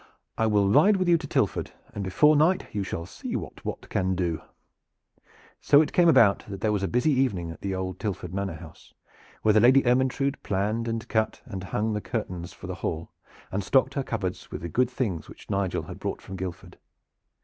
I will ride with you to Tilford, and before night you shall see what Wat can do." So it came about that there was a busy evening at the old Tilford Manor house, where the Lady Ermyntrude planned and cut and hung the curtains for the hall, and stocked her cupboards with the good things which Nigel had brought from Guildford.